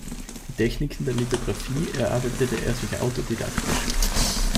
Die Techniken der Lithografie erarbeitete er sich autodidaktisch.